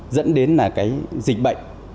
dẫn đến là cái dịch bệnh